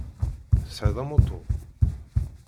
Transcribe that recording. Tesɛiḍ amuṭu?